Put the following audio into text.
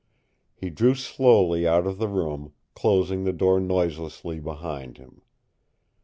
He drew slowly out of the room, closing the door noiselessly behind him.